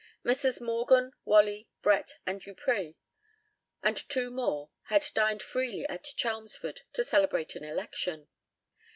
Messrs. Morgan, Whalley, Brett, and Dupree, and two more, had dined freely at Chelmsford to celebrate an election.